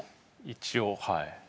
一応はい。